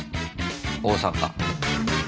大阪。